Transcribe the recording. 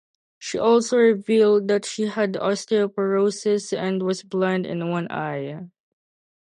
She also revealed that she had osteoporosis and was blind in one eye.